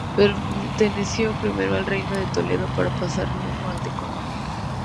Perteneció primero al reino de Toledo para pasar luego al de Córdoba.